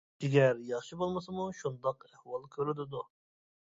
جىگەر ياخشى بولمىسىمۇ شۇنداق ئەھۋال كۆرۈلىدۇ.